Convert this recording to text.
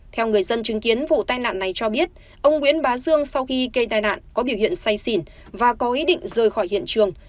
theo người dân chứng kiến vụ tai nạn này cho biết ông nguyễn bá dương sau khi gây tai nạn có biểu hiện say xỉn và có ý định rời khỏi hiện trường